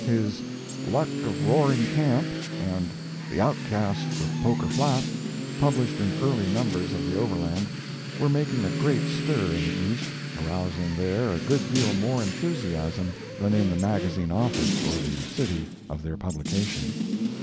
His "Luck of Roaring Camp" and "The Outcasts of Poker Flat," published in early numbers of the Overland, were making a great stir in the East, arousing there a good deal more enthusiasm than in the magazine office or the city of their publication.